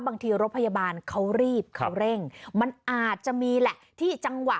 บางทีรถพยาบาลเขารีบเขาเร่งมันอาจจะมีแหละที่จังหวะ